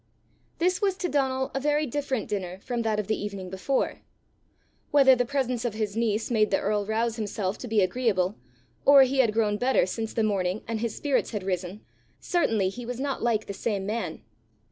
This was to Donal a very different dinner from that of the evening before. Whether the presence of his niece made the earl rouse himself to be agreeable, or he had grown better since the morning and his spirits had risen, certainly he was not like the same man.